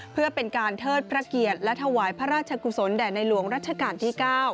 เพื่อเป็นการเทิดพระเกียรติและถวายพระราชกุศลแด่ในหลวงรัชกาลที่๙